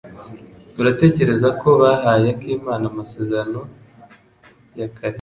Uratekereza ko bahaye Akimana amasezerano ya kare?